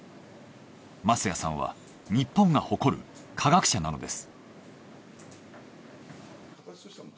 舛屋さんは日本が誇る化学者なのです。